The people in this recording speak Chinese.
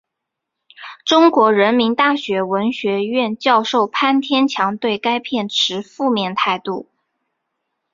中国人民大学文学院教授潘天强对该片持负面态度。